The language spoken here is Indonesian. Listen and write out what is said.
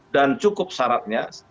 dan cukup syaratnya